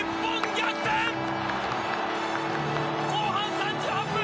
後半３８分。